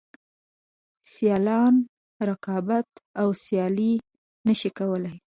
سیالان رقابت او سیالي نشي کولای.